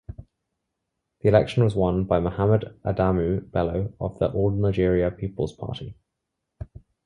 The election was won by Mohammed Adamu Bello of the All Nigeria Peoples Party.